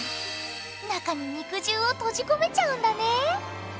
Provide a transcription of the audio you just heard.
中に肉汁を閉じ込めちゃうんだね。